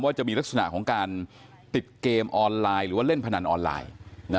จะมีลักษณะของการติดเกมออนไลน์หรือว่าเล่นพนันออนไลน์